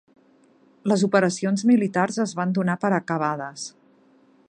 Les operacions militars es van donar per acabades.